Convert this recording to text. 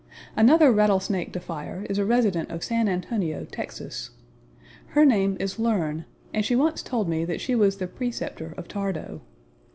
Another rattle snake defier is a resident of San Antonio, Texas. Her name is Learn, and she once told me that she was the preceptor of Thardo.